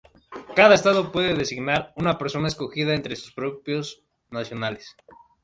Cada Estado puede designar una persona escogida entre sus propios nacionales.